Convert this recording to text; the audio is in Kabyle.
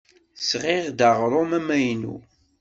Sɣiɣ-d aɣrum amaynu.